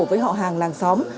với họ hàng làng xóm